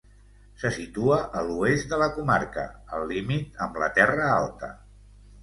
Se situa a l'oest de la comarca, al límit amb la Terra Alta.